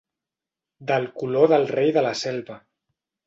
Del color del rei de la selva.